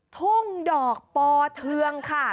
ทุ่งดอกปอเทืองค่ะ